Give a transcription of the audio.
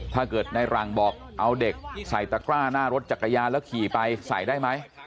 ถ้าเกิดในหลังบอกเอาเด็กใส่ตะกร้าหน้ารถจักรยานแล้วขี่ไปใส่ได้ไหม